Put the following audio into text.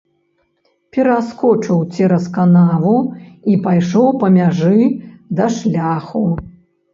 Пераскочыў цераз канаву і пайшоў па мяжы да шляху.